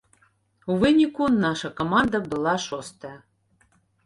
У выніку, наша каманда была шостая.